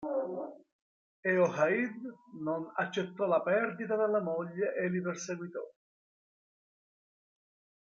Eochaid non accettò la perdita della moglie e li perseguitò.